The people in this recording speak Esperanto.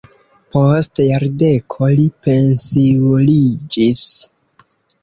Post jardeko li pensiuliĝis.